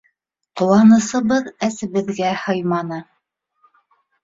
Ҡыуанысыбыҙ әсебеҙгә һыйманы.